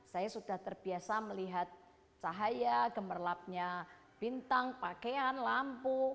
saya sudah terbiasa melihat cahaya gemerlapnya bintang pakaian lampu